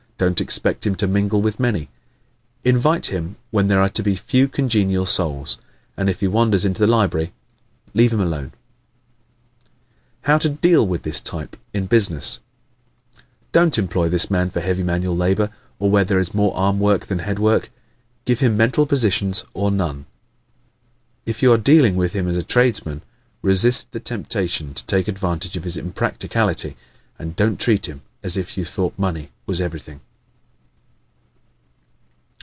Don't expect him to mingle with many. Invite him when there are to be a few congenial souls, and if he wanders into the library leave him alone. How to Deal with this Type in Business ¶ Don't employ this man for heavy manual labor or where there is more arm work than head work. Give him mental positions or none. If you are dealing with him as a tradesman, resist the temptation to take advantage of his impracticality and don't treat him as if you thought money was everything.